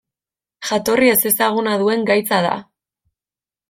Jatorri ezezaguna duen gaitza da.